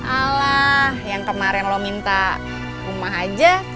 alah yang kemarin lo minta rumah aja